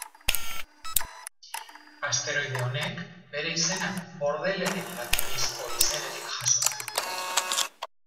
Asteroide honek, bere izena, Bordeleren latinezko izenetik jasotzen du.